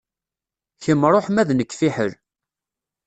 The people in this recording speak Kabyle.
Kemm ṛuḥ ma d nekk fiḥel.